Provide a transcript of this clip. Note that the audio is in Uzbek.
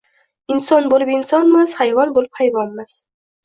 Inson bo’lib insonmas, hayvon bo’lib hayvonmas.